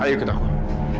ayo kita keluar